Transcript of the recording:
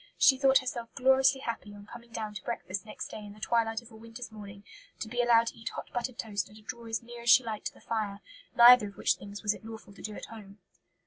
She thought herself gloriously happy, on coming down to breakfast next day in the twilight of a winter's morning, to be allowed to eat hot buttered toast and to draw as near as she liked to the fire; neither of which things was it lawful to do at home.